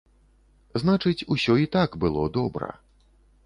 Значыць, усё і так было добра.